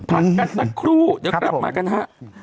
ขอบคุณท่านนักครูเดี๋ยวกลับมากันฮะ